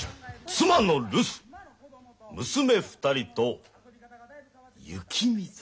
「妻の留守娘二人と雪見酒」。